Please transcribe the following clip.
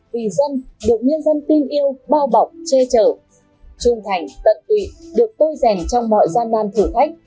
vì dân được nhân dân tin yêu bao bọc che chở trung thành tận tụy được tôi rèn trong mọi gian nan thử thách